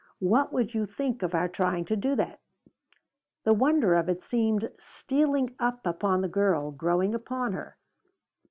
What would you think of our trying to do that?" The wonder of it seemed stealing up upon the girl, growing upon her.